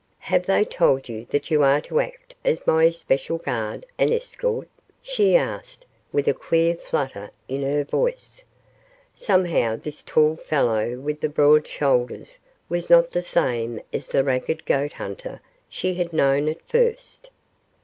"Have they told you that you are to act as my especial guard and escort?" she asked, with a queer flutter in her voice. Somehow this tall fellow with the broad shoulders was not the same as the ragged goat hunter she had known at first.